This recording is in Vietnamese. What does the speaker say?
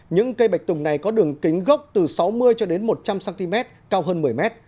những cây bạch tùng này có đường kính gốc từ sáu mươi cho đến một trăm linh cm cao hơn một mươi m